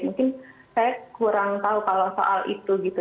mungkin saya kurang tahu kalau soal itu gitu